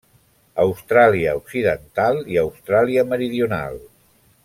Austràlia Occidental i Austràlia Meridional.